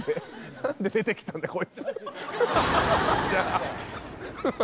何で出てきたんだこいつ。